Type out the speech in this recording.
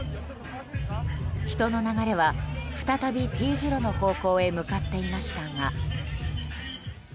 人の流れは、再び丁字路の方向へ向かっていましたが。